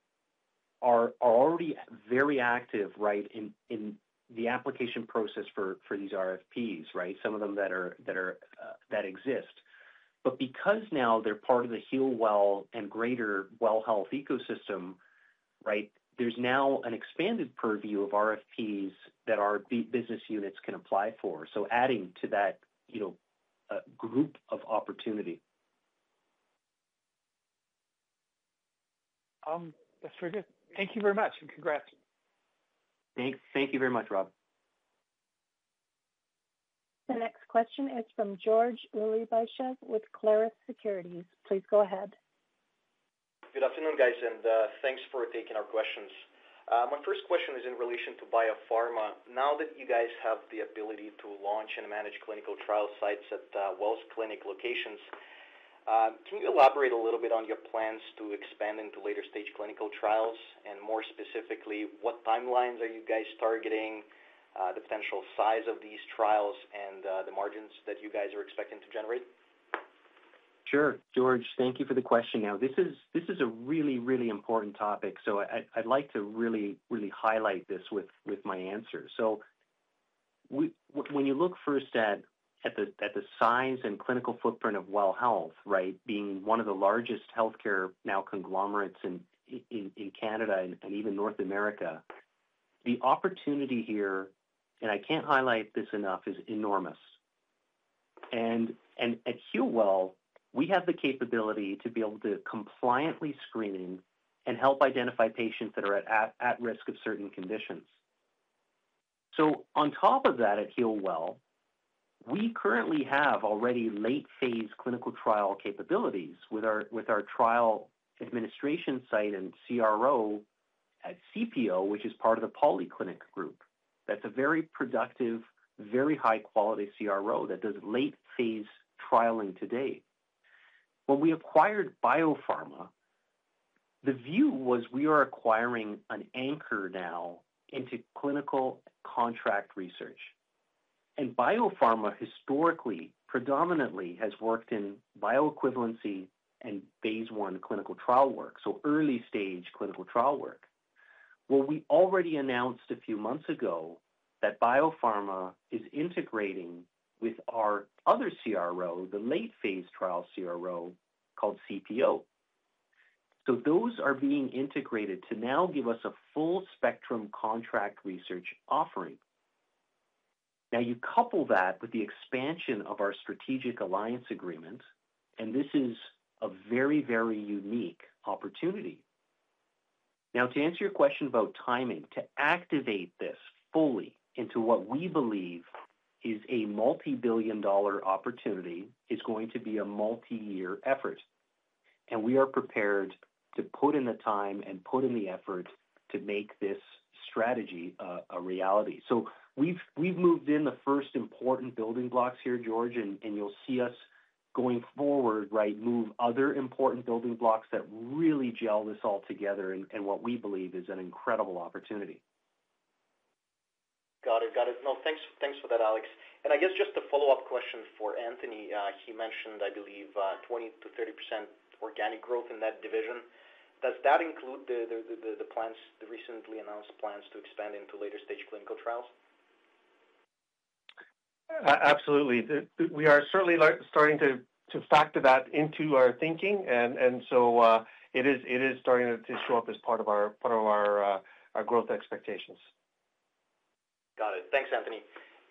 are already very active, right, in the application process for these RFPs, right, some of them that exist. But because now they're part of the Healwell and greater WELL Health ecosystem, right, there's now an expanded purview of RFPs that our business units can apply for. So adding to that group of opportunity. That's very good. Thank you very much, and congrats. Thank you very much, Rob. The next question is from George Ulybyshev with Clarus Securities. Please go ahead. Good afternoon, guys, and thanks for taking our questions. My first question is in relation to BioPharma. Now that you guys have the ability to launch and manage clinical trial sites at WELL Clinic locations, can you elaborate a little bit on your plans to expand into later-stage clinical trials? And more specifically, what timelines are you guys targeting, the potential size of these trials, and the margins that you guys are expecting to generate? Sure. George, thank you for the question. Now, this is a really, really important topic, so I'd like to really, really highlight this with my answers. So when you look first at the size and clinical footprint of WELL Health, right, being one of the largest healthcare conglomerates in Canada and even North America, the opportunity here, and I can't highlight this enough, is enormous. And at Healwell, we have the capability to be able to compliantly screen and help identify patients that are at risk of certain conditions. So on top of that at Healwell, we currently have already late-phase clinical trial capabilities with our trial administration site and CRO at CPO, which is part of the Polyclinic group. That's a very productive, very high-quality CRO that does late-phase trialing today. When we acquired BioPharma, the view was we are acquiring an anchor now into clinical contract research. And BioPharma historically predominantly has worked in bioequivalence and phase one clinical trial work, so early-stage clinical trial work. Well, we already announced a few months ago that BioPharma is integrating with our other CRO, the late-phase trial CRO called CPO. So those are being integrated to now give us a full-spectrum contract research offering. Now, you couple that with the expansion of our strategic alliance agreement, and this is a very, very unique opportunity. Now, to answer your question about timing, to activate this fully into what we believe is a multi-billion-dollar opportunity is going to be a multi-year effort. And we are prepared to put in the time and put in the effort to make this strategy a reality. So we've moved in the first important building blocks here, George, and you'll see us going forward, right, move other important building blocks that really gel this all together and what we believe is an incredible opportunity. Got it. Got it. No, thanks for that, Alex. And I guess just a follow-up question for Anthony. He mentioned, I believe, 20%-30% organic growth in that division. Does that include the recently announced plans to expand into later-stage clinical trials? Absolutely. We are certainly starting to factor that into our thinking, and so it is starting to show up as part of our growth expectations. Got it. Thanks, Anthony.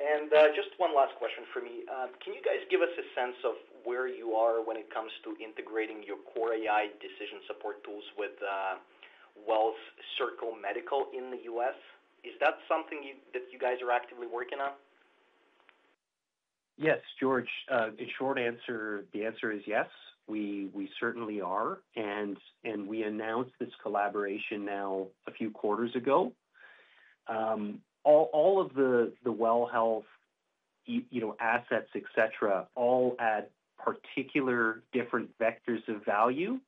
And just one last question for me. Can you guys give us a sense of where you are when it comes to integrating your core AI decision support tools with WELL's Circle Medical in the U.S.? Is that something that you guys are actively working on? Yes. George, in short answer, the answer is yes. We certainly are. And we announced this collaboration now a few quarters ago. All of the WELL Health assets, etc., all add particular different vectors of value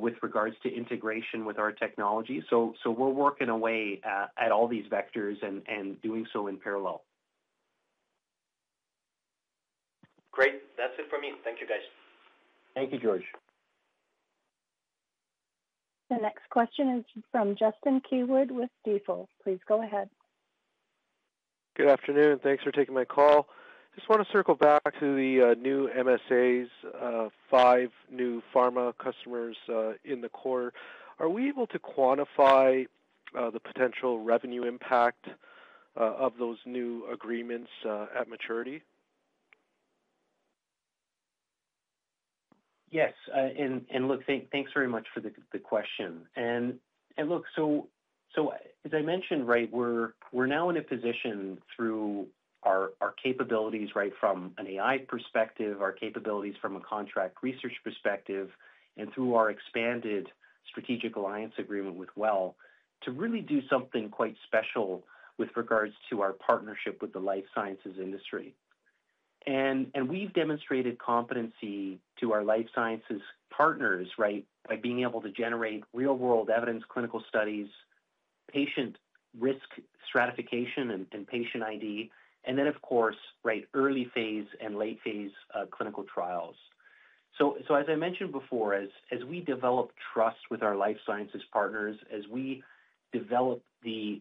with regards to integration with our technology. So we're working away at all these vectors and doing so in parallel. Great. That's it for me. Thank you, guys. Thank you, George. The next question is from Justin Keywood with Stifel. Please go ahead. Good afternoon. Thanks for taking my call. Just want to circle back to the new MSAs, five new pharma customers in the core. Are we able to quantify the potential revenue impact of those new agreements at maturity? Yes. And look, thanks very much for the question. And look, so as I mentioned, right, we're now in a position through our capabilities, right, from an AI perspective, our capabilities from a contract research perspective, and through our expanded strategic alliance agreement with Well to really do something quite special with regards to our partnership with the life sciences industry. And we've demonstrated competency to our life sciences partners, right, by being able to generate real-world evidence clinical studies, patient risk stratification and patient ID, and then, of course, right, early-phase and late-phase clinical trials. As I mentioned before, as we develop trust with our life sciences partners, as we develop the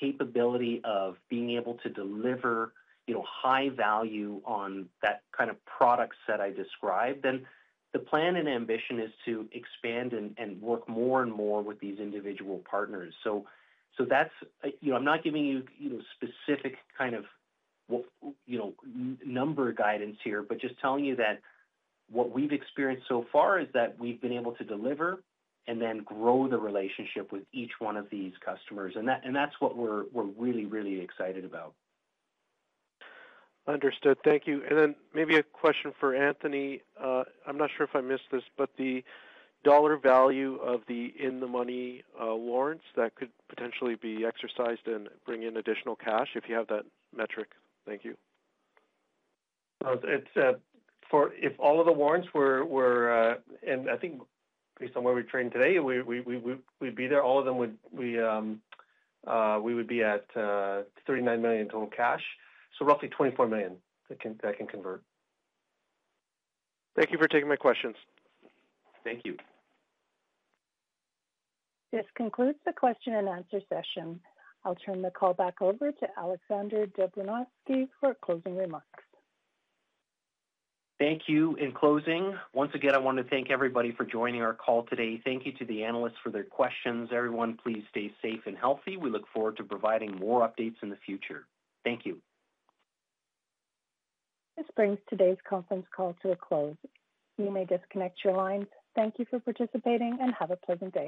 capability of being able to deliver high value on that kind of product set I described, then the plan and ambition is to expand and work more and more with these individual partners. I'm not giving you specific kind of number guidance here, but just telling you that what we've experienced so far is that we've been able to deliver and then grow the relationship with each one of these customers. And that's what we're really, really excited about. Understood. Thank you. And then maybe a question for Anthony. I'm not sure if I missed this, but the dollar value of the in-the-money warrants that could potentially be exercised and bring in additional cash if you have that metric. Thank you. If all of the warrants were - and I think based on where we're trading today, we'd be there - all of them, we would be at 39 million total cash. So roughly 24 million that can convert. Thank you for taking my questions. Thank you. This concludes the question and answer session. I'll turn the call back over to Alexander Dobranowski for closing remarks. Thank you. In closing, once again, I want to thank everybody for joining our call today. Thank you to the analysts for their questions. Everyone, please stay safe and healthy. We look forward to providing more updates in the future. Thank you. This brings today's conference call to a close. You may disconnect your lines. Thank you for participating and have a pleasant day.